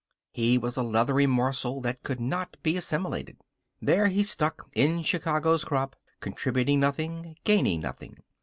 He was a leathery morsel that could not be assimilated. There he stuck in Chicago's crop, contributing nothing, gaining nothing.